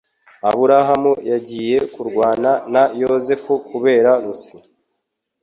Aburahamu yagiye kurwana na Yozefu kubera Lucy (